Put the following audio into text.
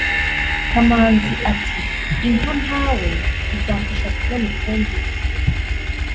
Kamanzi ati“Inka mpawe izamfasha kubona ifumbire